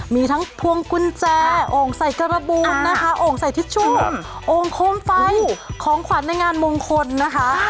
มีทั้งพวงกุญแจโอ่งใส่การบูนนะคะโอ่งใส่ทิชชู่โอ่งโคมไฟของขวัญในงานมงคลนะคะ